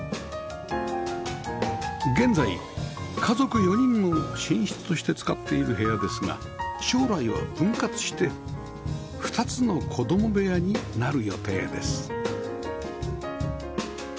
現在家族４人の寝室として使っている部屋ですが将来は分割して２つの子供部屋になる予定です